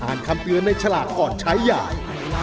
อ่านคำเตือนในฉลากก่อนใช้อย่าง